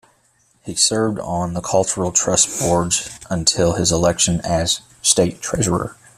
He served on the Cultural Trust's board until his election as State Treasurer.